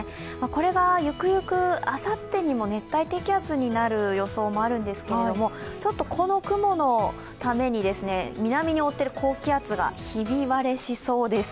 これがゆくゆくあさってにも熱帯低気圧になる予想もあるんですけれども、ちょっとこの雲のために南に追ってる低気圧がひび割れしそうです。